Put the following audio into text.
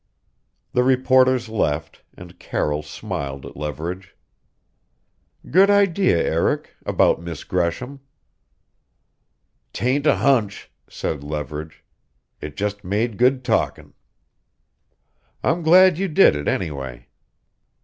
The reporters left, and Carroll smiled at Leverage. "Good idea, Eric about Miss Gresham." "'Tain't a hunch," said Leverage. "It just made good talkin'." "I'm glad you did it, anyway."